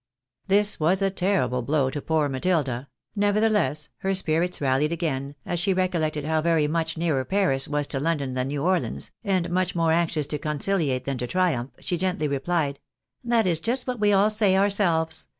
This was a terrible blow to poor Matilda ; nevertheless her spirits rallied again, as she recollected how very much nearer Paris was to London than New Orleans, and much more anxious to con ciliate than to triumph, she gently replied, " That is just what we all say ourselves.